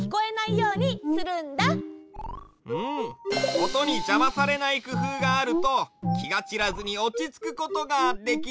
おとにじゃまされないくふうがあるときがちらずにおちつくことができるよね。